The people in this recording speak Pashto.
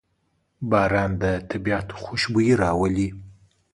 باران د طبیعت خوشبويي راولي.